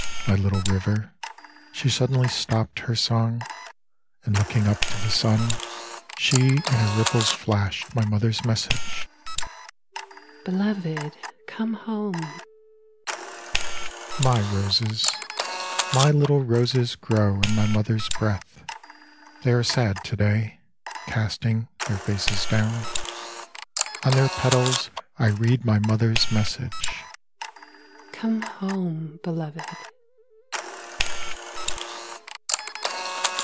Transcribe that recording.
My little river. She suddenly stopped her song, And looking up to the sun, She in her ripples flashed my Mother's message :Beloved, come home !" io6 My Little Bird My roses. My little roses grow in my Mother's breath, They are sad to day, Casting their faces down ; On their petals I read my Mother's message :'* Come home. Beloved